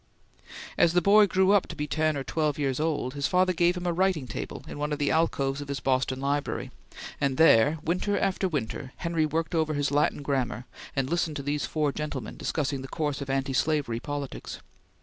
As the boy grew up to be ten or twelve years old, his father gave him a writing table in one of the alcoves of his Boston library, and there, winter after winter, Henry worked over his Latin Grammar and listened to these four gentlemen discussing the course of anti slavery politics.